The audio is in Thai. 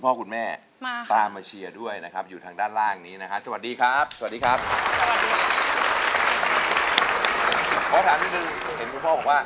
ขอถามนิดนึงเห็นคุณพ่อบอกว่า